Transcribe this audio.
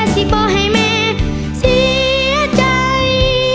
สิบอกให้แม่เสียใจ